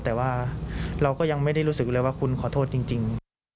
แต่ว่าเราก็ยังไม่ได้รู้สึกเลยว่าคุณขอโทษจริง